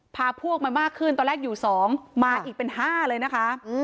พาพวกมามากขึ้นตอนแรกอยู่๒มาอีกเป็น๕เลยนะคะ